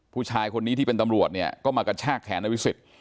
ผู้ชายคนนี้ที่เป็นตำรวจเนี่ยก็มากระชากแขนในวิสิต